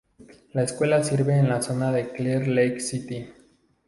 La escuela sirve a la zona de Clear Lake City.